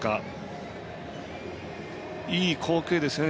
いい光景ですね。